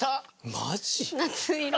マジ？